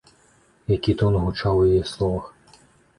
Які тон гучаў у яе словах!